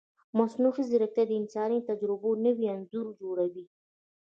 مصنوعي ځیرکتیا د انساني تجربو نوی انځور جوړوي.